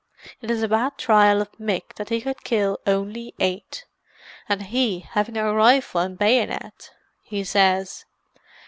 It is a bad trial of Mick that he could kill only eight, and he having a rifle and bayonet!' he says.